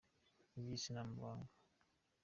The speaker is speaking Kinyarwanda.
Iby’isi ni amabanga.